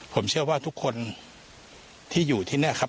ผมเชื่อว่าทุกคนที่อยู่ที่นี่ครับ